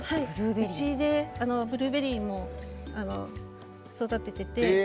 うちでブルーベリーも育てていて。